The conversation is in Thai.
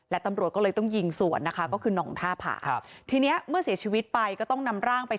และตำรวจก็เลยต้องยิงส่วนนะคะ